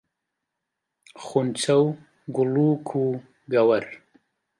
خونچە و گوڵووک و گەوەر